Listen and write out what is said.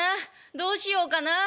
どうしようかな」。